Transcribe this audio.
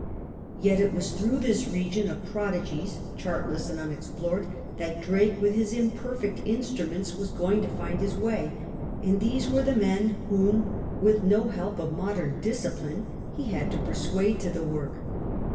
Yet it was through this region of prodigies, chartless and unexplored, that Drake with his imperfect instruments was going to find his way; and these were the men whom, with no help of modern discipline, he had to persuade to the work.